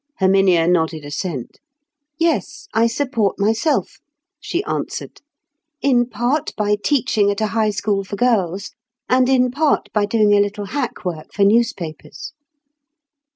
Herminia nodded assent. "Yes, I support myself," she answered; "in part by teaching at a high school for girls, and in part by doing a little hack work for newspapers."